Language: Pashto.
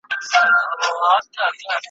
ږغ به خپور سو د ځنګله تر ټولو غاړو `